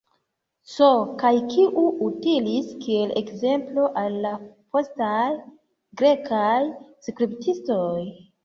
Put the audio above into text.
C. Kaj kiu utilis kiel ekzemplo al la postaj grekaj skulptistoj.